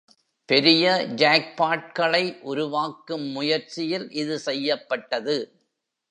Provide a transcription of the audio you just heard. பெரிய ஜாக்பாட்களை உருவாக்கும் முயற்சியில் இது செய்யப்பட்டது.